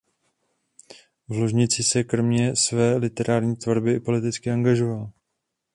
V Lužici se kromě své literární tvorby i politicky angažoval.